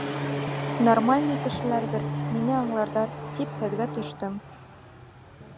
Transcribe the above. Нормальный кешеләрҙер, мине аңларҙар, тип һеҙгә төштөм.